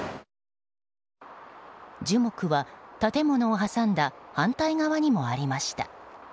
樹木は建物を挟んだ反対側にもありました。